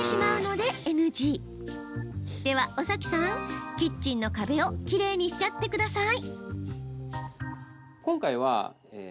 では尾崎さん、キッチンの壁をきれいにしちゃってください！